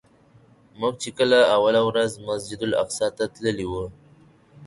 موږ چې کله اوله ورځ مسجدالاقصی ته تللي وو.